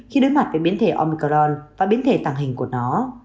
khi đối mặt với biến thể omicron và biến thể tàng hình của nó